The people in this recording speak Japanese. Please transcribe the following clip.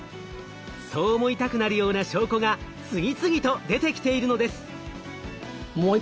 そう思いたくなるような証拠が次々と出てきているのです。